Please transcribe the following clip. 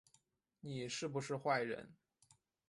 你是不是坏人